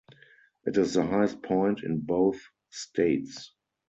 It is the highest point in both states.